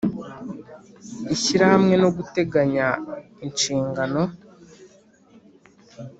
Ishyirahamwe no guteganya inshingano